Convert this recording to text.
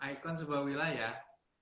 ikon sebuah wilayah